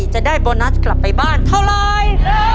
จะได้โบนัสกลับไปบ้านเท่าไร